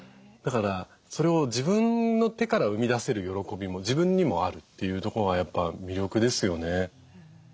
だからそれを自分の手から生み出せる喜びも自分にもあるっていうとこがやっぱ魅力ですよね。